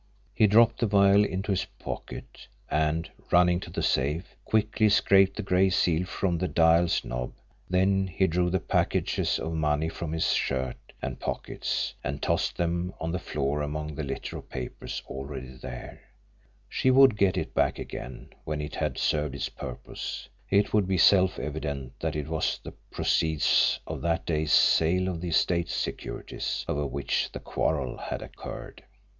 He dropped the vial into his pocket, and, running to the safe, quickly scraped the gray seal from the dial's knob; then he drew the packages of money from his shirt and pockets and tossed them on the floor among the litter of papers already there she would get it back again when it had served its purpose, it would be self evident that it was the proceeds of that day's sale of the estate's securities over which the "quarrel" had occurred!